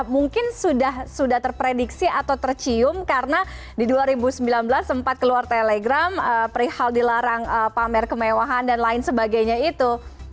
mungkin sudah terprediksi atau tercium karena di dua ribu sembilan belas sempat keluar telegram perihal dilarang pamer kemewahan dan lain sebagainya itu